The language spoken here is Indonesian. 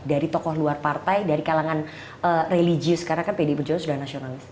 dari tokoh luar partai dari kalangan religius karena kan pdi perjuangan sudah nasionalis